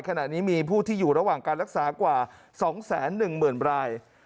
ขณะนี้มีผู้ที่อยู่ระหว่างการรักษากว่าสองแสนหนึ่งเหมือนบราย